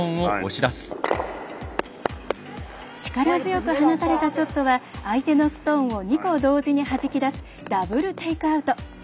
力強く放たれたショットは相手のストーンを２個同時にはじき出すダブル・テイクアウト。